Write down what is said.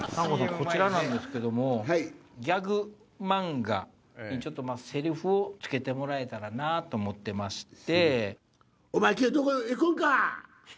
こちらなんですけどギャグ漫画にセリフをつけてもらえたらなと思ってまして。